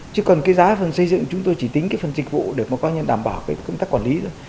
chứ còn giá phần xây dựng chúng tôi chỉ tính phần dịch vụ để đảm bảo công tác quản lý thôi